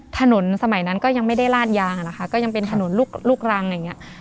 ถนนสมัยนั้นก็ยังไม่ได้ลาดยางอะนะคะก็ยังเป็นถนนลูกรังอย่างเงี้ย